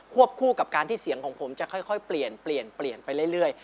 วบคู่กับการที่เสียงของผมจะค่อยเปลี่ยนเปลี่ยนไปเรื่อย